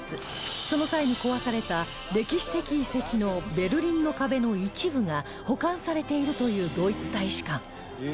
その際に壊された歴史的遺跡のベルリンの壁の一部が保管されているというドイツ大使館